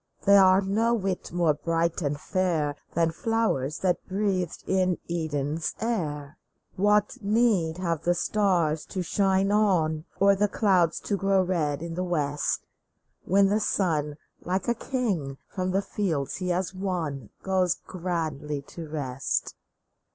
They are no whit more bright and fair Than flowe; rs that breathed in Eden's air ! What need have the stars to shine on ? Or the clouds to grow red in the west, When the sun, like a king, from the fields he has won, Goes grandly to rest